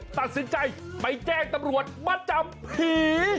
ตัดสินใจไปแจ้งตำรวจมาจับผี